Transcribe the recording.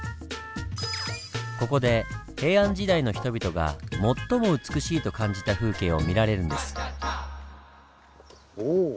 ここで平安時代の人々が最も美しいと感じた風景を見られるんです。